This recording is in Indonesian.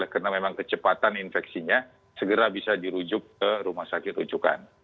karena memang kecepatan infeksinya segera bisa dirujuk ke rumah sakit rujukan